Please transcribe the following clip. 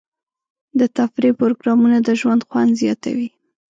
د تفریح پروګرامونه د ژوند خوند زیاتوي.